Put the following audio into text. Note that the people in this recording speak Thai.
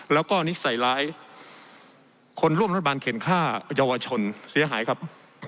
แล้วก็นิสัยร้ายคนร่วมรัฐบาลเข็นฆ่าเยาวชนเสียหายครับ